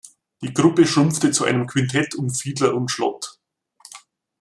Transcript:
Die Gruppe schrumpfte zu einem Quintett um Fiedler und Schlott.